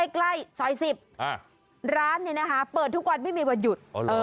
ใกล้ซอย๑๐ร้านเนี่ยนะคะเปิดทุกวันไม่มีวันหยุด